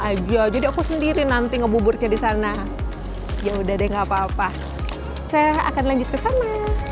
oh mau pulang aja jadi aku sendiri nanti ngebuburitnya di sana yaudah deh nggak apa apa saya akan lanjut bersama